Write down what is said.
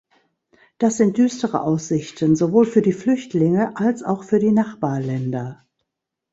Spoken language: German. Das sind düstere Aussichten sowohl für die Flüchtlinge als auch für die Nachbarländer!